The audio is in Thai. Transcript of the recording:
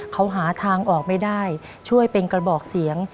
เขาหาทางออกไม่ได้ช่วยเป็นกระบอกเสียง